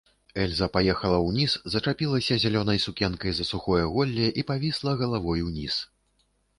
Эльза паехала ўніз, зачапілася зялёнай сукенкай за сухое голле і павісла галавой уніз.